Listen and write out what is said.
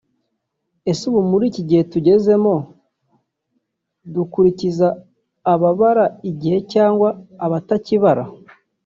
Ese ubu muri iki gihe tugezemo dukurikiza ababara igihe cyangwa abatakibara